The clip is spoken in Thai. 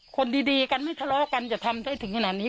คนดีกันไม่ทะเลาะกันจะทำได้ถึงขนาดนี้